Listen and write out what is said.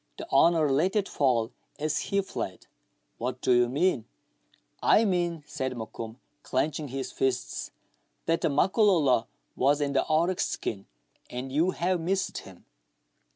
" The owner let it fall as he fled." "What do you mean ?"" I mean," said Mokoum, clenching his fists, " that the Makololo was in the oryx skin, and you have missed him."